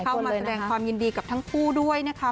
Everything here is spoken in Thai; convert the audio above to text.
เข้ามาแสดงความยินดีกับทั้งคู่ด้วยนะคะ